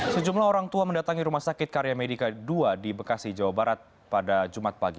sejumlah orang tua mendatangi rumah sakit karya medika dua di bekasi jawa barat pada jumat pagi